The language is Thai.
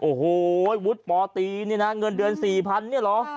โอ้โหวุฒิปตีนี่นะเงินเดือน๔๐๐เนี่ยเหรอ